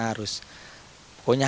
harus punya hati